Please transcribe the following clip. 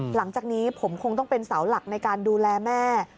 หลังจากนี้ผมคงต้องเป็นเสาหลักในการดูแลแม่